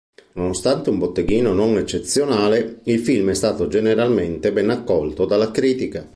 Nonostante un botteghino non eccezionale, il film è stato generalmente ben accolto dalla critica.